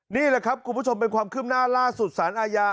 นี่แหละครับคุณผู้ชมเป็นความขึ้นหน้าล่าสุศัลย์อายา